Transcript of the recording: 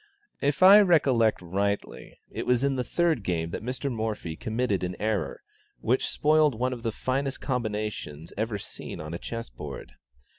If I recollect rightly, it was in the third game that Mr. Morphy committed an error, which spoiled one of the finest combinations ever seen on a chess board.